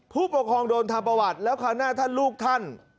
ผู้ปกครองโดนทำประวัติแล้วคราวหน้าท่านลูกท่าน